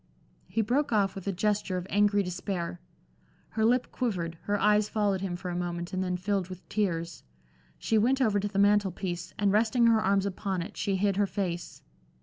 He broke off with a gesture of angry despair. Her lip quivered, her eyes followed him for a moment and then filled with tears. She went over to the mantel piece, and resting her arms upon it, she hid her face.